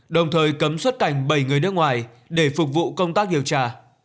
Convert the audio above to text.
đồng thời cấm xuất cảnh bảy người nước ngoài để phục vụ công tác điều tra